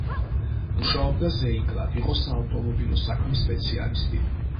მუშაობდა ზეინკლად; იყო საავტომობილო საქმის სპეციალისტი.